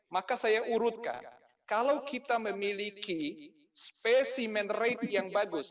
maka saya urutkan kalau kita memiliki specimen rate yang bagus